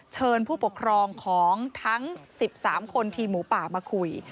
เชิญผู้ปกครองของทั้ง๑๓คนทีมหมูป่ามาคุย